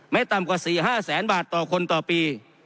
ไม่ต่ำกว่าสี่ห้าแสนบาทต่อคนต่อปี